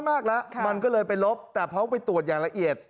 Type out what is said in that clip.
มันก็เลยไปลบแต่พอเขาไปตรวจอย่างละเอียด